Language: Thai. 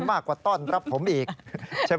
มากกว่าต้อนรับผมอีกใช่ไหม